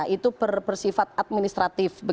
itu bersifat administratif